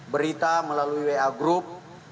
berita melalui wa group